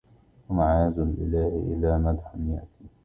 ومَعَاذَ الإله لا مدحَ يأتي